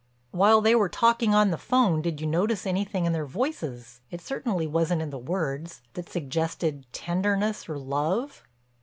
"While they were talking on the 'phone did you notice anything in their voices—it certainly wasn't in the words—that suggested tenderness or love?"